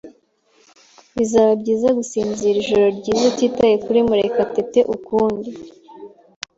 Bizaba byiza gusinzira ijoro ryiza utitaye kuri Murekatete ukundi.